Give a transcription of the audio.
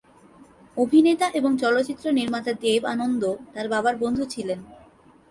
অভিনেতা এবং চলচ্চিত্র নির্মাতা দেব আনন্দ তাঁর বাবার বন্ধু ছিলেন।